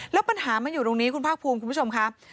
แล้วปัญหามันอยู่ตรงนี้คุณภาคภูมิคุณผู้ชมครับ